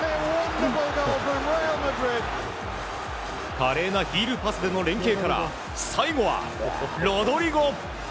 華麗なヒールパスでの連係から最後は、ロドリゴ！